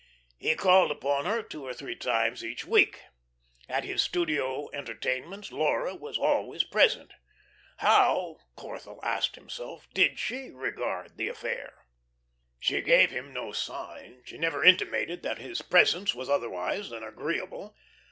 He called upon her two or three times each week. At his studio entertainments Laura was always present. How Corthell asked himself did she regard the affair? She gave him no sign; she never intimated that his presence was otherwise than agreeable.